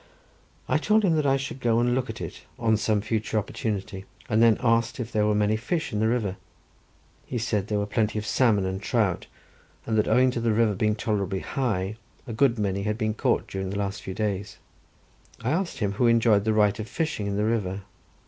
I told him that I should go and look at it on some future opportunity, and then asked if there were many fish in the river. He said there were plenty of salmon and trout, and that owing to the river being tolerably high, a good many had been caught during the last few days. I asked him who enjoyed the right of fishing in the river.